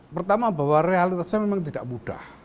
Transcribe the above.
pertama bahwa realitasnya memang tidak mudah